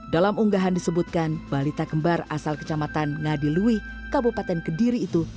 dalam unggahan disebutkan balita kembar asal kecamatan ngadilui kabupaten kediri itu